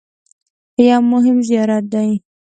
یو مهم زیارت دی.